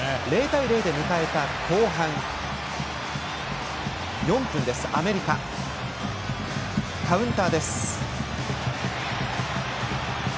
０対０で迎えた後半４分アメリカのカウンターです。